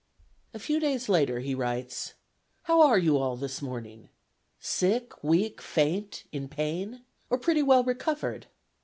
A few days later he writes: "How are you all this morning? Sick, weak, faint, in pain, or pretty well recovered?